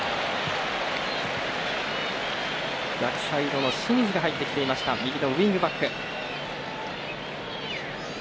逆サイドの清水が入ってきていました右のウィングバック。